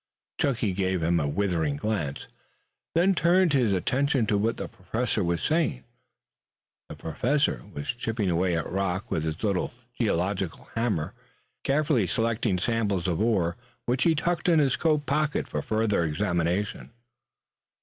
Chunky gave him a withering glance, then turned his attention to what the Professor was saying. The Professor was chipping away at the rock with his little geological hammer, carefully selecting samples of the ore, which he tucked in his coat pocket for future examination.